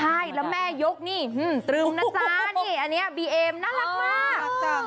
ใช่แล้วแม่ยกนี่อันนี้บีเอมน่ารักมาก